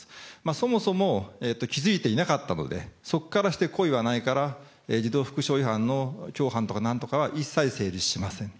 そもそも気付いていなかったので、そこからして故意はないから、児童福祉法違反の共犯とかなんとかは、一切成立しません。